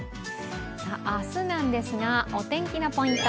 明日なんですが、お天気のポイント